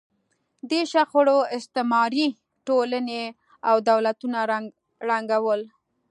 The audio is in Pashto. دې شخړو استعماري ټولنې او دولتونه ړنګول.